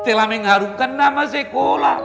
tidak mengharungkan nama sekolah